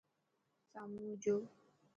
سامون جو